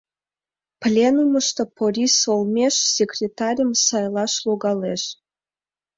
Пленумышто Порис олмеш секретарьым сайлаш логалеш.